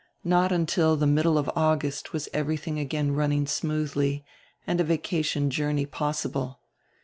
Not until die middle of August was everything again running smoothly and a vacation journey possible.